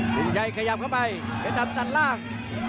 สินชัยขยับเข้าไปเพชรดำตัดล่าง